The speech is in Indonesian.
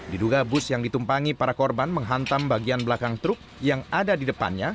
diduga bus yang ditumpangi para korban menghantam bagian belakang truk yang ada di depannya